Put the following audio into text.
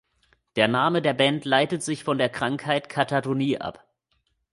Der Name der Band leitet sich von der Krankheit Katatonie ab.